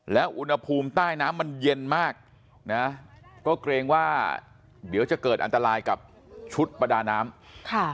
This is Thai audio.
แล้วอุณหภูมิใต้น้ำมันเย็นมากนะก็เกรงว่าเดี๋ยวจะเกิดอันตรายกับชุดประดาน้ำค่ะ